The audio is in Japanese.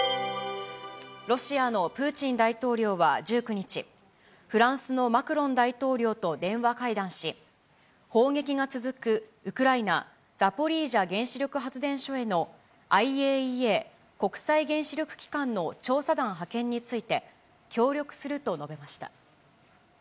ロシアのプーチン大統領は１９日、フランスのマクロン大統領と電話会談し、砲撃が続くウクライナ・ザポリージャ原子力発電所へのＩＡＥＡ・国際原子力機関の調査団派遣について、協力すると述べました。